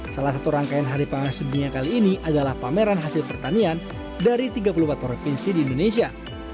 salah satu rangkaian hari pangan sedunia kali ini adalah pameran hasil pertanian dari tiga puluh empat provinsi di indonesia